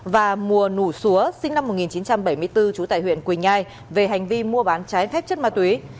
và mùa nủ xúa sinh năm một nghìn chín trăm bảy mươi bốn trú tại huyện quỳnh nhai về hành vi mua bán trái phép chất ma túy